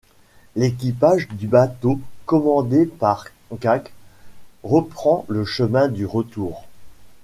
L'équipage du bateau, commandé par Ghak, reprend le chemin du retour.